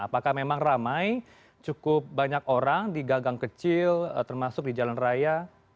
apakah memang ramai cukup banyak orang di gagang kecil termasuk di jalan raya